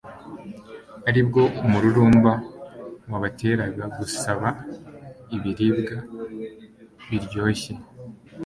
ari bwo umururumba wabateraga gusaba ibiribwa biryoshye